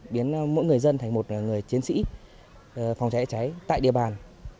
biến mỗi người dân thành một người chiến sĩ phòng cháy cháy tại địa bàn